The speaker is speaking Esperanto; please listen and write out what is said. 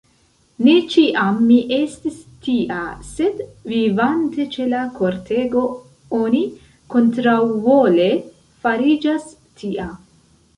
Ne ĉiam mi estis tia; sed, vivante ĉe la kortego, oni kontraŭvole fariĝas tia.